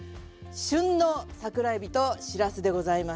旬の桜えびとしらすでございます。